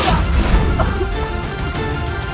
jangan lupa untuk berhenti